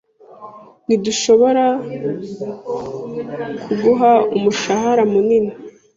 Ntidushobora kuguha umushahara munini.